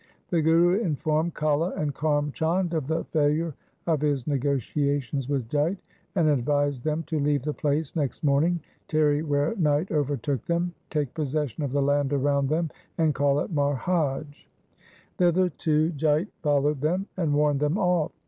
The Guru informed Kala and Karm Chand of the failure of his negotiations with Jait, and advised them to leave the place next morning, tarry where night overtook them, take possession of the land around them, and call it Marhaj. Thither too Jait followed them and warned them off.